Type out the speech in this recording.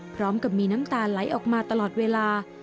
พร้อมกับมีน้ำตาไหลออกมาตลอดเวลา